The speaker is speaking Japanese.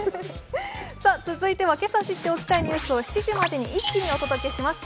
続いてはけさ知っておきたいニュースを７時までに一気にお届けします。